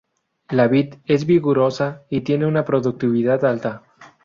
La vid es vigorosa y tiene una productividad alta.